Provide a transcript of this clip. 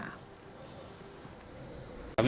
kami menyayangkan sekali